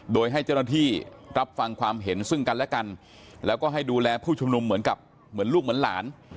โดยให้เจ้าหน้าที่รับฟังความเห็นซึ่งกันและกันแล้วก็ให้ดูแลผู้ชุมนุมเหมือนกับเหมือนลูกเหมือนหลาน